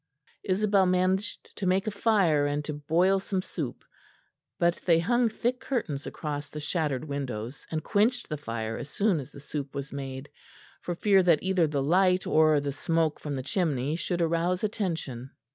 Isabel managed to make a fire and to boil some soup; but they hung thick curtains across the shattered windows, and quenched the fire as soon as the soup was made, for fear that either the light or the smoke from the chimney should arouse attention.